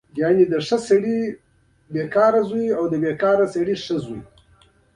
ستم وکړ، اورګاډي ته په ورختو کې مې.